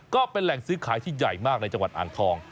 ก็เป็นแหล่งซื้อขายที่ใหญ่มากในจังหวัดอ่างทอง